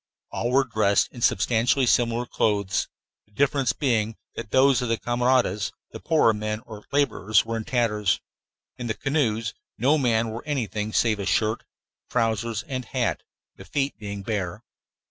All were dressed in substantially similar clothes, the difference being that those of the camaradas, the poorer men or laborers, were in tatters. In the canoes no man wore anything save a shirt, trousers, and hat, the feet being bare.